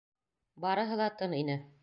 Барыһы ла тын ине.